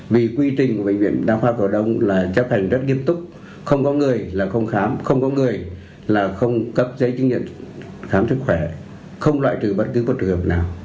vì quy trình của bệnh viện đa khoa cổ đông là chấp hành rất nghiêm túc không có người là không khám không có người là không cấp giấy chứng nhận khám sức khỏe không loại trừ bất cứ một trường hợp nào